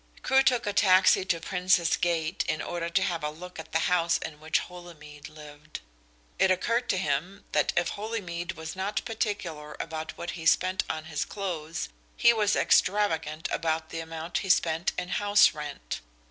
Crewe took a taxi to Princes Gate in order to have a look at the house in which Holymead lived. It occurred to him that if Holymead was not particular about what he spent on his clothes he was extravagant about the amount he spent in house rent.